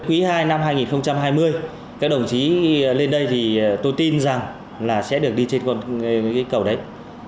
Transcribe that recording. quý ii năm hai nghìn hai mươi các đồng chí lên đây thì tôi tin rằng là sẽ được đi trên cái cầu đấy